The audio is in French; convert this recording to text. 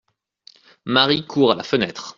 Marie court à la fenêtre.